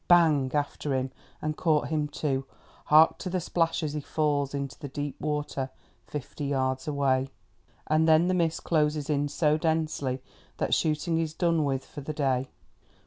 Bang! after him, and caught him too! Hark to the splash as he falls into the deep water fifty yards away. And then the mist closes in so densely that shooting is done with for the day.